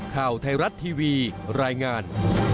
ข่าวไทยรัฐทีวีรายงาน